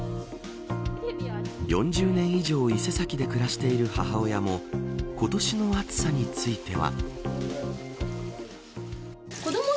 ４０年以上伊勢崎で暮らしている母親も今年の暑さについては。